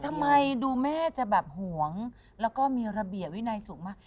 ทำไมดูแม่จะแบบห่วงแล้วก็มีระเบียบวินัยสูงมาก